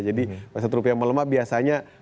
jadi pada saat rupiah melemah biasanya